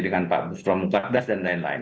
dengan pak bustromu kardas dan lain lain